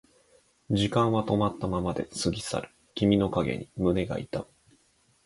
時間は止まったままで過ぎ去る君の影に胸が痛む